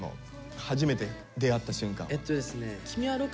初めて出会った瞬間。